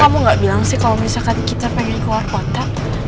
kamu gak bilang sih kalau misalkan kita pengen keluar kota